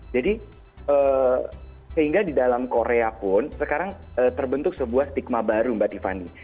jadi sehingga di dalam korea pun sekarang terbentuk sebuah stigma baru mbak tiffani